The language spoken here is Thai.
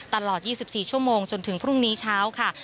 ตลอด๒๔ชั่วโมงจนถึงพรุ่งนี้เช้าค่ะ